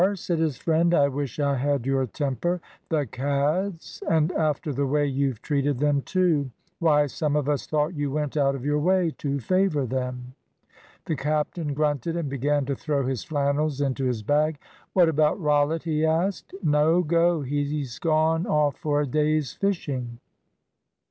said his friend. "I wish I had your temper. The cads! And after the way you've treated them, too. Why, some of us thought you went out of your way to favour them." The captain grunted, and began to throw his flannels into his bag. "What about Rollitt?" he asked. "No go. He's gone off for a day's fishing."